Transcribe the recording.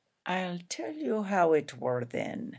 "I'll tell you how it war thin.